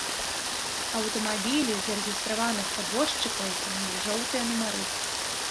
Аўтамабілі зарэгістраваных падвозчыкаў мелі жоўтыя нумары.